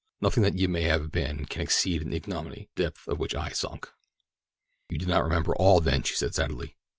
Nothing that you may have been can exceed in ignominy the depth to which I sunk." "You do not remember all, then," she said sadly.